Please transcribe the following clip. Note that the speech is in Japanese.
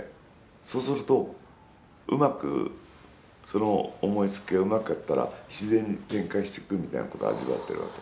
そうすると、うまくその思いつきがうまかったら自然に展開していくみたいなことを味わってるわけ。